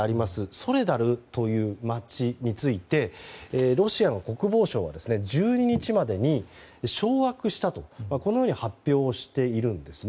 ソレダルという街についてロシアの国防省は１２日までに掌握したと発表しているんですね。